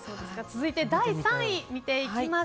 続いて、第３位です。